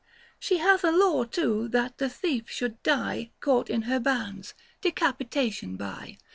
She hath a law too that the thief should die Caught in her bounds — decapitation by.